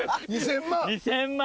２０００万？